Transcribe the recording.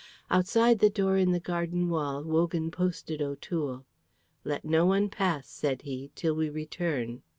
Outside the door in the garden wall Wogan posted O'Toole. "Let no one pass," said he, "till we return."